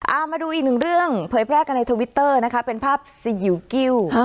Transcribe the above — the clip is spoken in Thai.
เอามาดูอีกหนึ่งเรื่องเผยแพร่กันในทวิตเตอร์นะคะเป็นภาพซียิวกิ้ว